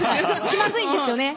気まずいんですよね。